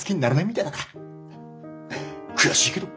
悔しいけど。